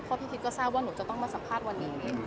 เพราะพี่คิดก็ทราบว่าหนูจะต้องมาสัมภาษณ์วันนี้